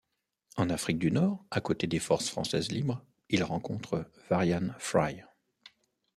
En Afrique du Nord à côté des Forces françaises libres, il rencontre Varian Fry.